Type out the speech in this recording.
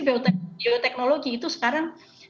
bioteknologi itu sekarang